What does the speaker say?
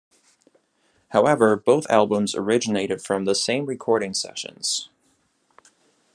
However, both albums originated from the same recording sessions.